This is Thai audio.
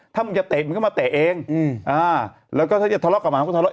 ถ้ามันจะเตะมันก็มาเตะเองแล้วก็ถ้าอย่าทะเลาะกลับมาก็ทะเลาะ